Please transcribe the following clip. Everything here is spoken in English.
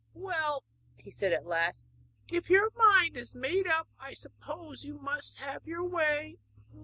'Well,' said he at last, 'if your mind is made up I suppose you must have your way.